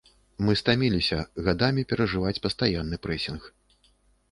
Мы стаміліся гадамі перажываць пастаянны прэсінг.